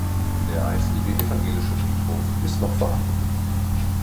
Der einstige evangelische Friedhof ist noch vorhanden.